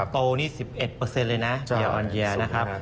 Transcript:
โตนี่๑๑เลยนะอย่างออนเยียนะครับ